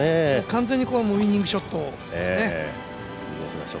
完全にウイニングショットですね。